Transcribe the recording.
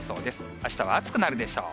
あしたは暑くなるでしょう。